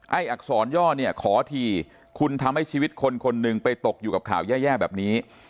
อักษรย่อเนี่ยขอทีคุณทำให้ชีวิตคนคนหนึ่งไปตกอยู่กับข่าวแย่แบบนี้